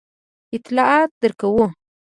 اطلاعات درکوو.